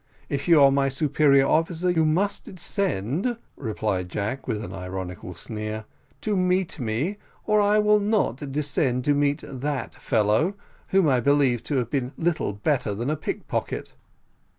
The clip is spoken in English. If you are my superior officer, you must descend," replied Jack, with an ironical sneer, "to meet me, or I will not descend to meet that fellow, whom I believe to have been little better than a pickpocket."